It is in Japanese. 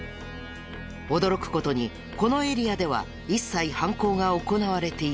驚く事にこのエリアでは一切犯行が行われていない。